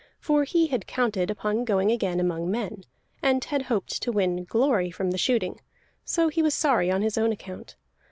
For he had counted upon going again among men, and had hoped to win glory from the shooting, so he was sorry on his own account.